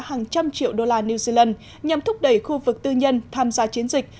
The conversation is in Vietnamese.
hàng trăm triệu đô la new zealand nhằm thúc đẩy khu vực tư nhân tham gia chiến dịch